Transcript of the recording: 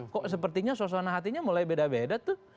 kok sepertinya suasana hatinya mulai beda beda tuh